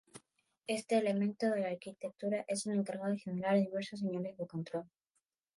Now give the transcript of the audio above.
Este elemento de la arquitectura es el encargado de generar diversas señales de control.